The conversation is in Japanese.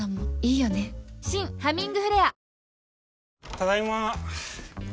ただいま。